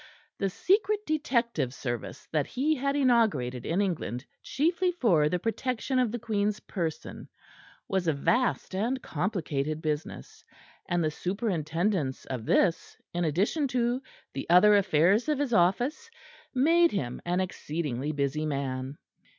The secret detective service that he had inaugurated in England chiefly for the protection of the Queen's person was a vast and complicated business, and the superintendence of this, in addition to the other affairs of his office, made him an exceedingly busy man.